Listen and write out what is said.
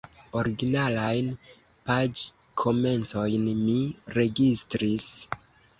Originalajn paĝkomencojn mi registris.